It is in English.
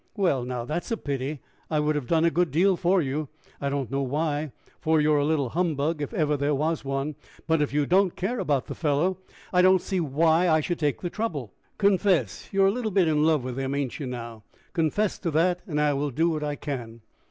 "Well, now, that's a pity. I would have done a good deal for you I don't know why, for you're a little humbug if ever there was one! But, if you don't care about the fellow, I don't see why I should take the trouble. Confess you're a little bit in love with him ain't you, now? Confess to that, and I will do what I can."